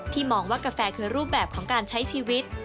มองว่ากาแฟคือรูปแบบของการใช้ชีวิต